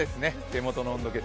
手元の温度計。